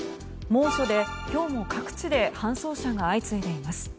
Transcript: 猛暑で今日も各地で搬送者が相次いでいます。